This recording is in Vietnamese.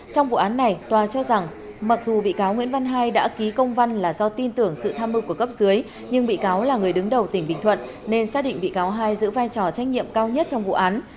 trong vụ án này tòa cho rằng mặc dù bị cáo nguyễn văn hai đã ký công văn là do tin tưởng sự tham mưu của cấp dưới nhưng bị cáo là người đứng đầu tỉnh bình thuận nên xác định bị cáo hai giữ vai trò trách nhiệm cao nhất trong vụ án